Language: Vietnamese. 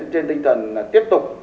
trên tinh thần tiếp tục